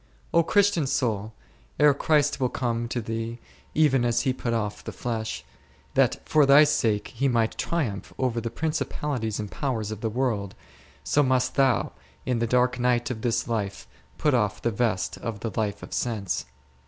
O Christian soul, ere Christ, will come to thee, even as He put off the flesh, that for thy sake He might triumph over the principalities and powers of the world, so must thou, in the dark night of this life, put off the vest of the life of sense.